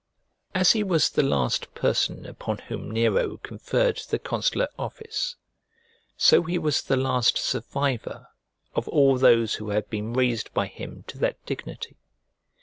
As he was the last person upon whom Nero conferred the consular office, so he was the last survivor of all those who had been raised by him to that dignity.